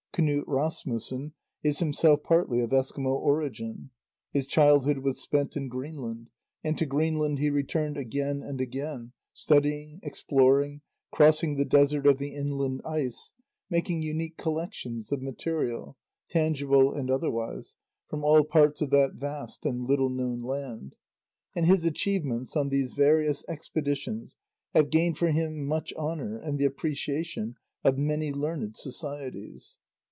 Knud Rasmussen is himself partly of Eskimo origin; his childhood was spent in Greenland, and to Greenland he returned again and again, studying, exploring, crossing the desert of the inland ice, making unique collections of material, tangible and otherwise, from all parts of that vast and little known land, and his achievements on these various expeditions have gained for him much honour and the appreciation of many learned societies.